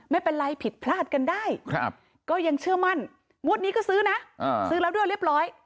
ไม่เป็นไรผิดพลาดกันได้ก็ยังเชื่อมั่นงวดนี้ก็ซื้อนะซื้อแล้วด้วยเรียบร้อย